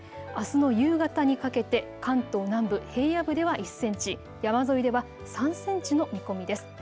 あすの夕方にかけて関東南部、平野部では１センチ、山沿いでは３センチの見込みです。